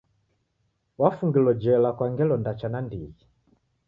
Wafungilo jela kwa ngelo ndacha nandighi.